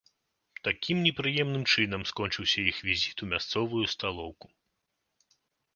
Такім непрыемным чынам скончыўся іх візіт у мясцовую сталоўку.